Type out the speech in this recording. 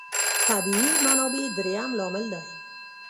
طبیعي منابع درېیم لامل دی.